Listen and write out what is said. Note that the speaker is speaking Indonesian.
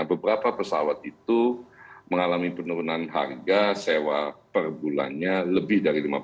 beberapa pesawat itu mengalami penurunan harga sewa per bulannya lebih dari lima puluh